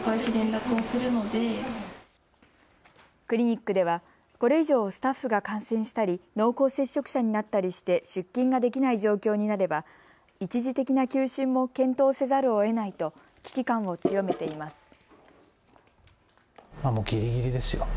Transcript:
クリニックでは、これ以上スタッフが感染したり濃厚接触者になったりして出勤ができない状況になれば一時的な休診も検討せざるをえないと危機感を強めています。